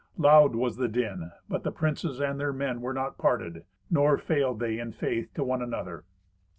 Loud was the din; but the princes and their men were not parted, nor failed they in faith to one another.